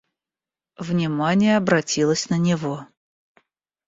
Внимание обратилось на него.